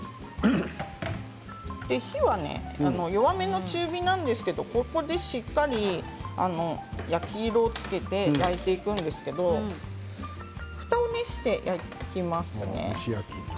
火は弱めの中火なんですけどここでしっかり焼き色をつけて焼いていくんですけど蒸し焼きですね。